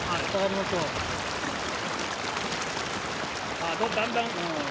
ああ、だんだん。